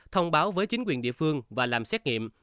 thông báo với chính quyền địa phương và làm xét nghiệm